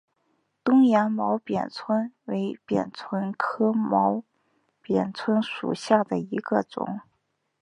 东洋毛扁蝽为扁蝽科毛扁蝽属下的一个种。